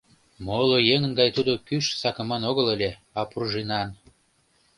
Моло еҥын гай тудо кӱш сакыман огыл ыле, а пружинан.